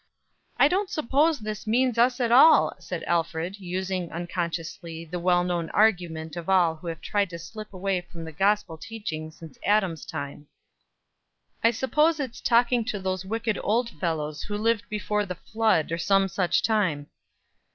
"I don't suppose this means us at all," said Alfred, using, unconsciously, the well known argument of all who have tried to slip away from gospel teaching since Adam's time. "I suppose it's talking to those wicked old fellows who lived before the flood, or some such time."